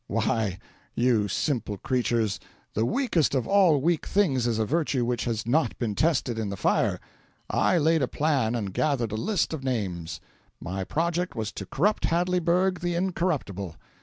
Why, you simple creatures, the weakest of all weak things is a virtue which has not been tested in the fire. I laid a plan, and gathered a list of names. My project was to corrupt Hadleyburg the Incorruptible.